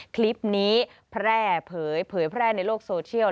คลิปนี้แพร่เผยแพร่ในโลกโซเชียล